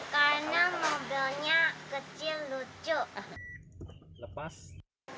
karena mobilnya kecil lucu